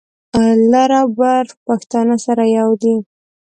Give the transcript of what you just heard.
لر او بر پښتانه سره یو دي.